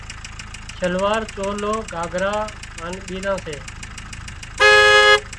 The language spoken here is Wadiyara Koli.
شلوار، چولو، گھاگھرو، هانَ ٻيزان سي